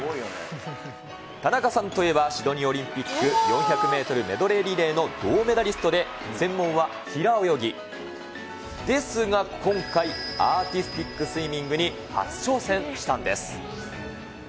田中さんといえば、シドニーオリンピック４００メートルメドレーリレーの銅メダリストで、専門は平泳ぎ。ですが、今回、アーティスティックスイミングに初挑戦したんです。